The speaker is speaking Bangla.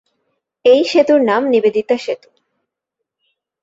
এই সেতুর নাম নিবেদিতা সেতু।